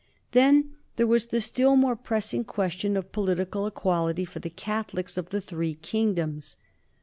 Then there was the still more pressing question of political equality for the Catholics of the three kingdoms.